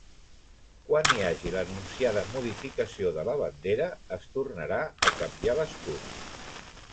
Quan hi hagi l'anunciada modificació de la bandera es tornarà a canviar l'escut.